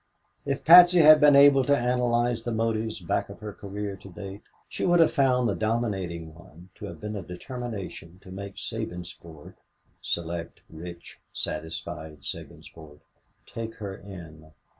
If Patsy had been able to analyze the motives back of her career to date she would have found the dominating one to have been a determination to make Sabinsport select, rich, satisfied Sabinsport take her in.